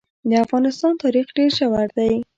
د افغانستان تاریخ ډېر ژور دی.